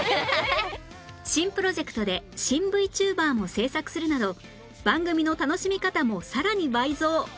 新プロジェクトで新 ＶＴｕｂｅｒ も制作するなど番組の楽しみ方もさらに倍増